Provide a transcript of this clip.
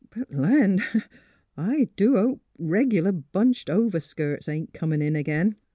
Rutland! I do hope reg'lar bunched overskirts ain't comin' in ag'in.